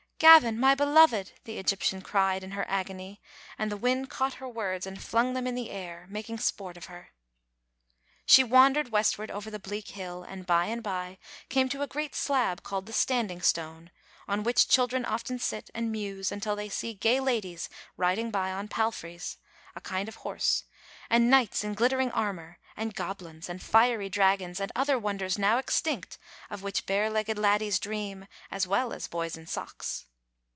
"Gavin, my beloved!" the Egyptian cried in her agony, and the wind caught her words and flung them in the air, making sport of her. She wandered westward over the bleak hill, and by and by came to a great slab called the Standing Stone, on which children often sit and muse until they see gay ladies riding by on palfreys — a kind of horse — and knights in glittering armour, and goblins, and fiery dragons, and other wonders now extinct, of which bare legged laddies dream, as well as boys in socks.